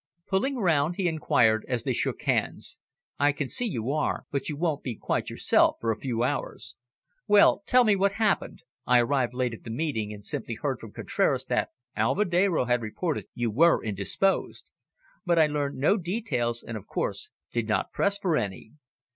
"Pulling round?" he inquired as they shook hands. "I can see you are, but you won't be quite yourself for a few hours. Well, tell me what happened. I arrived late at the meeting, and simply heard from Contraras that Alvedero had reported you were indisposed. But I learned no details, and, of course, did not press for any.